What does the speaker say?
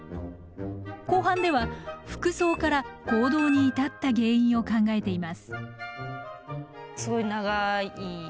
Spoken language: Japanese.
後半では服装から行動に至った原因を考えています。